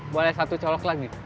boleh satu colok lagi